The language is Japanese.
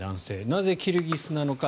なぜ、キルギスなのか。